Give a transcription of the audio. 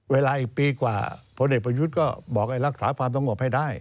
เวลาอีกปีกว่าพลเอกประยุทธ์ก็บอกรักษาความสงบให้ได้